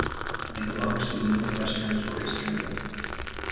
It belongs to the Northwest Territories, Canada.